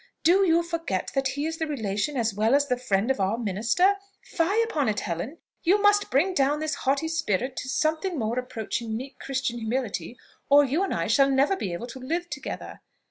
Do you forget that he is the relation as well as the friend of our minister? Fie upon it, Helen! you must bring down this haughty spirit to something more approaching meek Christian humility, or you and I shall never be able to live together."